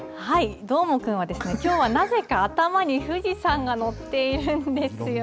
どーもくんは、きょうはなぜが頭に富士山が載っているんですよね。